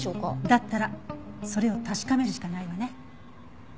だったらそれを確かめるしかないわね。